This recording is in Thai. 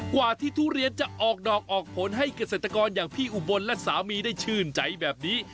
กว่าที่ทุเรียนจะออกดอกออกผลให้เกษตรกรอย่างพี่อุบลและสามีได้ชื่นใจแบบนี้